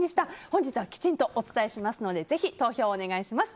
本日はきちんとお伝えしますのでぜひ投票をお願いします。